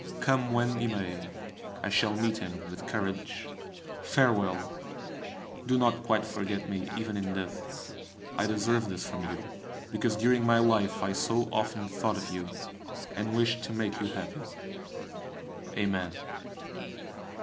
Come when he may, I shall meet him with courage. Farewell! Do not quite forget me, even in death; I deserve this from you, because during my life I so often thought of you, and wished to make you happy. Amen!